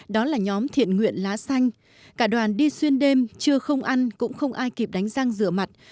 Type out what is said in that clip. đó là nhóm thiện nguyện lá xanh cả đoàn đi xuyên đêm chưa không ăn cũng không ai kịp đánh răng rửa mặt